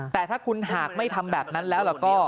แต่ถ้าคุณหากไม่ทำแบบนั้นแล้วก็